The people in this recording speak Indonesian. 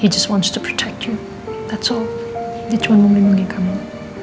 dia cuma ingin melindungi kamu